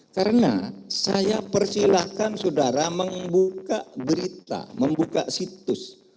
karena saya persilahkan saudara membuka berita membuka situs